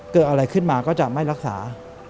เกิดอะไรขึ้นมาก็จะไม่รักษา